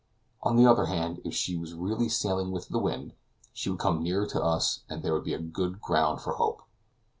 On the other hand, if she was really sailing with the wind, she would come nearer to us, and there would be good ground for hope.